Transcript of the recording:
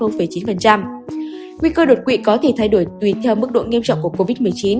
nguy cơ đột quỵ có thể thay đổi tùy theo mức độ nghiêm trọng của covid một mươi chín